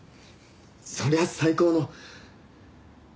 そりゃ最高の。